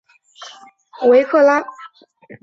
维拉克。